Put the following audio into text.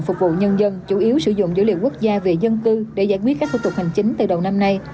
phục vụ nhân dân chủ yếu sử dụng dữ liệu quốc gia về dân cư để giải quyết các thủ tục hành chính từ đầu năm nay